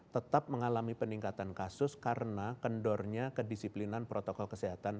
tetap mengalami peningkatan kasus karena kendornya kedisiplinan protokol kesehatan